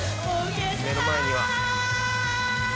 「目の前には」